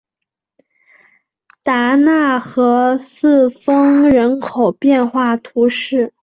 达讷和四风人口变化图示